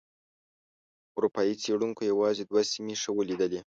اروپایي څېړونکو یوازې دوه سیمې ښه ولیدلې.